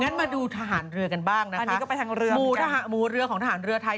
งั้นมาดูทหารเรือกันบ้างนะคะมูเรือของทหารเรือไทย